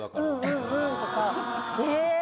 「うんうん」とか「え！